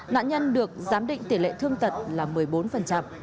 nạn nhân được giám định tỷ lệ thương tật là một mươi bốn